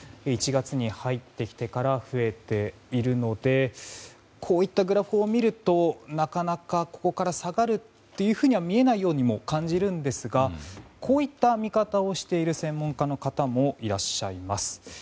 １月に入ってきてから増えているのでこういったグラフを見るとなかなかここから下がるというふうには見えないようにも感じるんですがこういった見方をしている専門家の方もいらっしゃいます。